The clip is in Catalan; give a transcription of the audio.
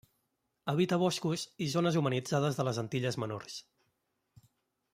Habita boscos i zones humanitzades de les Antilles Menors.